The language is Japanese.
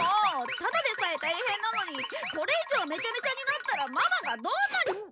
ただでさえ大変なのにこれ以上めちゃめちゃになったらママがどんなに。